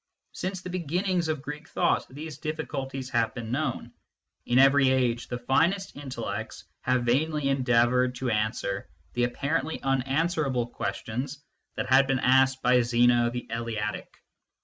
Since the beginnings of Greek thought these difficulties have been known ; in every age the finest intellects have vainly endeavoured to answer the appar ently unanswerable questions that had been asked by Zeno the Eleatic.